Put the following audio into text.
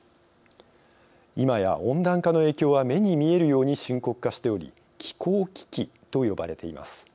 今や温暖化の影響は目に見えるように深刻化しており気候危機と呼ばれています。